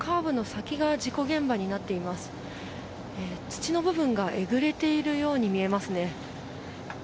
土の部分がえぐれているように見えますね。